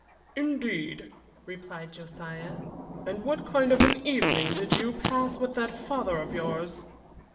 "Indeed," replied Josiah. "And what kind of an evening did you pass with that father of yours?"